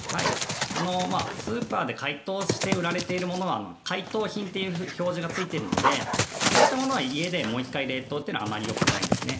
スーパーで解凍して売られているものは解凍品という表示がついているのでそういったものは家でもう１回冷凍というのはあまりよくないですね。